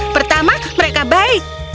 pertama mereka baik